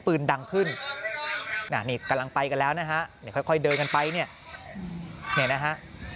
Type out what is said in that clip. ปืนดังขึ้นนี่กำลังไปกันแล้วนะฮะเนี่ยค่อยเดินกันไปเนี่ยเนี่ยนะฮะ